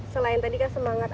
selain tadi kan semangat